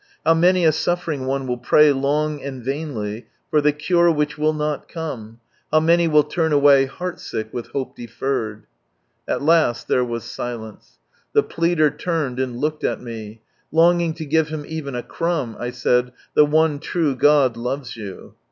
How many a suffering one will pray long and vainly for the cure which will not come, liow many will turn away heartsick with hope deferred ! At last there was silence. The pleader turned and looked at me. Longing to give him even a crumb, I said, "The one true God loves you."